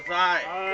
はい。